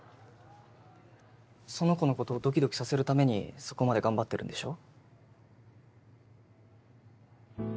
その子のことをドキドキさせるためにそこまで頑張ってるんでしょ？